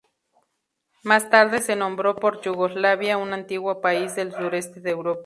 Más tarde se nombró por Yugoslavia, un antiguo país del suroeste de Europa.